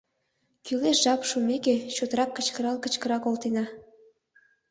Кӱлеш жап шумеке, чотрак кычкырал-кычкырал колтена.